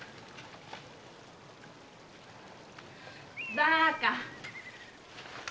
バカ！